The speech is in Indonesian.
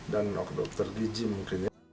dan dokter gigi mungkin